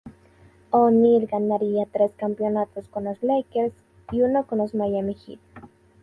O'Neal ganaría tres campeonatos con los Lakers y uno con los Miami Heat.